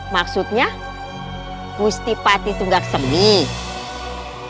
maksudnya gusti patih itu gak kesemih